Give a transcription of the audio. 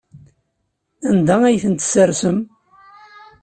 Anda ay tent-tessersem?